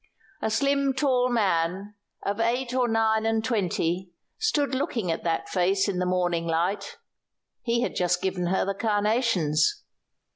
A slim, tall man, of eight or nine and twenty, stood looking at that face in the morning light; he had just given her the carnations.